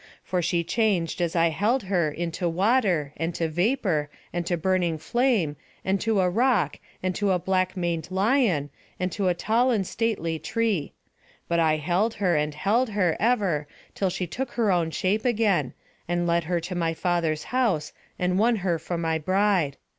For she changed, as I held her, into water, and to vapour, and to burning flame, and to a rock, and to a black maned lion, and to a tall and stately tree. But I held her and held her ever till she took her own shape again, and led her to my father's house, and won her for my bride.